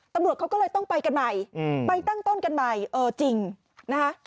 ตำรวจเขาก็เลยต้องไปกันใหม่ไปตั้งต้นกันใหม่เออจริงนะคะ